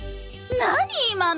何今の。